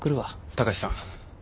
貴司さん。